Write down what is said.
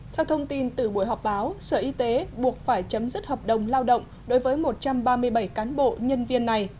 theo thông tin từ buổi họp báo sở y tế buộc phải chấm dứt hợp đồng lao động đối với một trăm ba mươi bảy cán bộ nhân viên này